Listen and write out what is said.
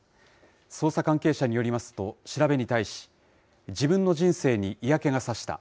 捜査関係者によりますと、調べに対し、自分の人生に嫌気が差した。